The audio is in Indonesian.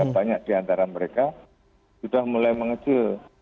banyak di antara mereka sudah mulai mengecil